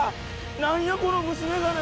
何やこの虫めがね。